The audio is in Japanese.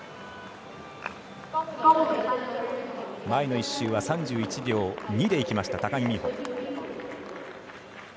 前の１周は３１秒２でいきました高木美帆。